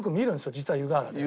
実は湯河原で。